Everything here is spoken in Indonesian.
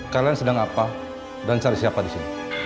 kalian sedang apa dan cari siapa di sini